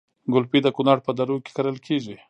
ګلپي د کونړ په درو کې کرل کیږي